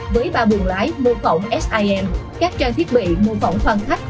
với ba buồng lái mô phỏng sim các trang thiết bị mô phỏng phan khách